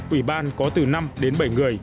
ủy ban có từ năm đến bảy người